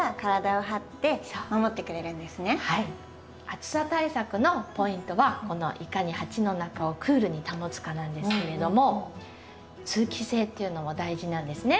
暑さ対策のポイントはいかに鉢の中をクールに保つかなんですけれども通気性っていうのも大事なんですね。